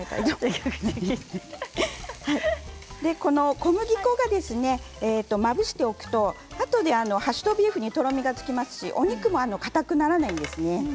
小麦粉をまぶしておくとハッシュドビーフにとろみがつきますしお肉も、かたくならないんですね。